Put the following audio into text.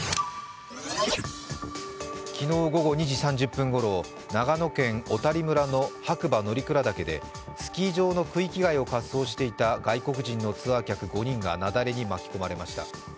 昨日午後２時３０分ごろ、長野県小谷村の白馬乗鞍岳で、スキー場の区域外を滑走していた外国人のツアー客５人が雪崩に巻き込まれました。